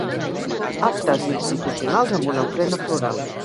Actes institucionals amb una ofrena floral.